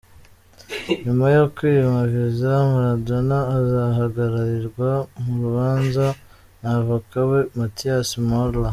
Nyuma yo kwimwa Visa, Maradona azahagararirwa mu rubanza na Avoka we, Matías Morla.